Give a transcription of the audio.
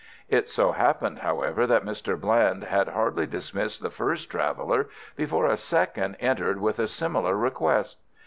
It so happened, however, that Mr. Bland had hardly dismissed the first traveller before a second entered with a similar request.